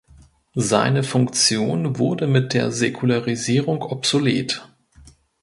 Seine Funktion wurde mit der Säkularisierung obsolet.